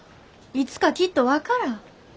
いつかきっと分からあ。